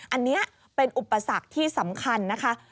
อันนี้เป็นอุปสรรคที่สำคัญนะคะ